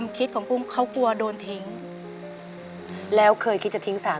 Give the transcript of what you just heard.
เปลี่ยนเพลงเพลงเก่งของคุณและข้ามผิดได้๑คำ